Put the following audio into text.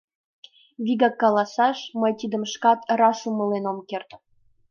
Вигак каласаш, мый тидым шкат раш умылен ом керт.